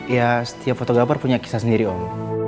ya setiap fotografer punya kisah sendiri om